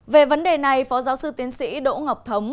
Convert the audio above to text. về vấn đề này phó giáo sư tiến sĩ đỗ ngọc thống